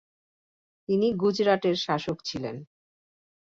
তিনি গুজরাটের শাসক ছিলেন।